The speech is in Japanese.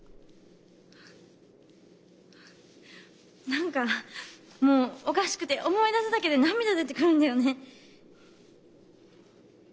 何かもうおかしくて思い出すだけで涙出てくるんだよね。